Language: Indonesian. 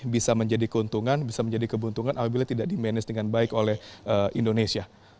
bisa menjadi keuntungan bisa menjadi keuntungan apabila tidak di manage dengan baik oleh indonesia